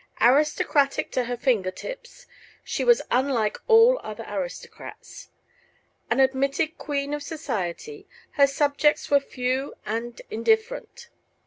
Aristocratic to her finger tips, she was unlike all other aristocrats. An admitted queen of society, her subjects were few and indifferent.